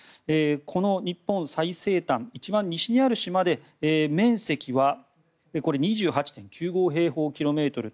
この日本最西端一番西にある島で面積は２８．９５平方キロメートル。